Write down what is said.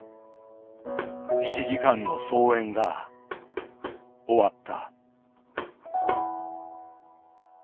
７時間の操演が終わった。